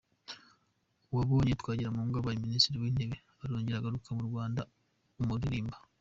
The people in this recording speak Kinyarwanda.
Ubonye Twagiramungu abaye Minisitiri w’intebe, urongera ugaruka mu Rwanda umuririmba!